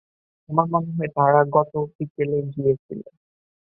আমার মনে হয়, -তারা গত বিকেলে গিয়েছিল।